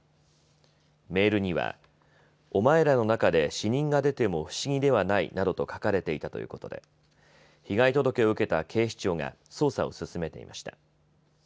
メールにはお前らの中で死人が出ても不思議ではないなどと書かれていたということで被害届を受けた警視庁が捜査を進めていました。